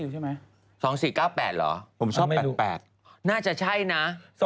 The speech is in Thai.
๒๔๙๘เหรอผมชอบ๘๘น่าจะใช่นะ